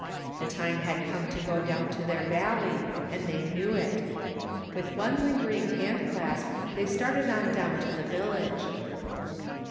The time had come to go down to their valley and they knew it. With one lingering hand clasp they started on down to the village.